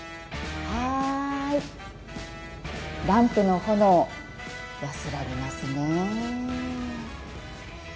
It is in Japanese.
ランプの炎、安らぎますね。